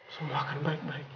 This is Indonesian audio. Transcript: semua akan baik baik